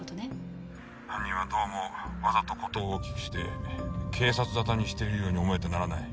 犯人はどうもわざと事を大きくして警察ざたにしているように思えてならない。